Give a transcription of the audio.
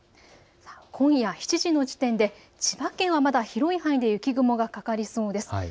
今夜７時の時点で千葉県はまだ広い範囲で雪雲がかかりそうです。